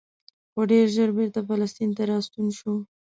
خو ډېر ژر بېرته فلسطین ته راستون شو.